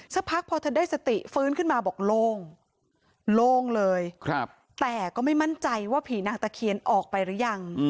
สักพักพอเธอได้สติฟื้นขึ้นมาบอกโล่งโล่งเลยแต่ก็ไม่มั่นใจว่าผีนางตะเคียนออกไปหรือยัง